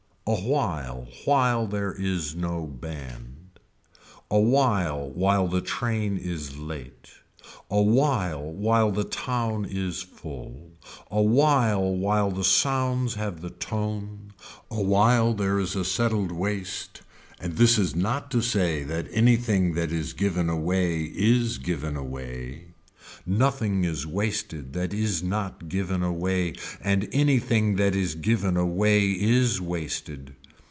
Awhile while there is no band, awhile while the train is late, awhile while the town is full, awhile while the sounds have the tone, awhile there is a settled waste and this is not to say that anything that is given away is given away, nothing is wasted that is not given away and anything that is given away is wasted.